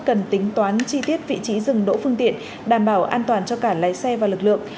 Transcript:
cần tính toán chi tiết vị trí dừng đỗ phương tiện đảm bảo an toàn cho cả lái xe và lực lượng